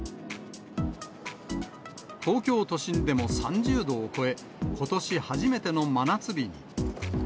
東京都心でも３０度を超え、ことし初めての真夏日に。